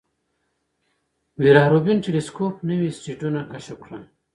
ویرا روبین ټیلسکوپ نوي اسټروېډونه کشف کړل.